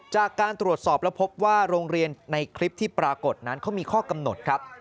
จากการตรวจสอบแล้วพบว่าโรงเรียนในคลิปที่ปรากฏนั้นเขามีข้อกำหนดครับ